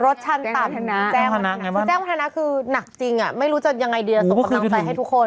ชันต่ำแจ้งคือแจ้งวัฒนะคือหนักจริงไม่รู้จะยังไงดีส่งกำลังใจให้ทุกคน